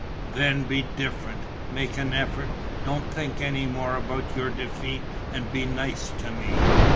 "Then be different. Make an effort, don't think any more about your defeat and be nice to me.